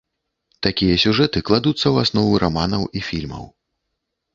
Такія сюжэты кладуцца ў аснову раманаў і фільмаў.